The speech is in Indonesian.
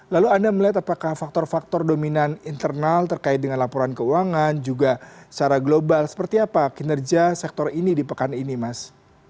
lalu anda melihat apakah faktor faktor dominan internal terkait dengan laporan keuangan juga secara global seperti apa kinerja sektor ini di pekan ini mas